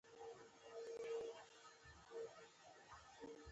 دا د تاریخ حساسه مقطعه وه.